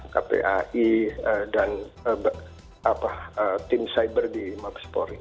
kpai dan tim cyber di maps pori